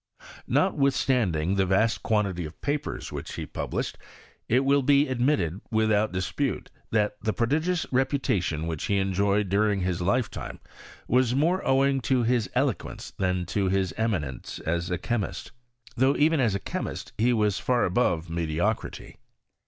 Notwithstanding the vast quantity of papers which he published, it will be admitted, without dispute, that the prodip:ious reputation which he enjoyed during his lifetime was more owing to bis eloquen<» than to bis eminence as a chemist — though even u a chemist he was far above mediocrity.